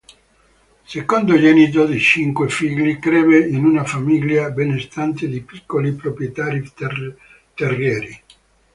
Secondogenito di cinque figli, crebbe in una famiglia benestante di piccoli proprietari terrieri.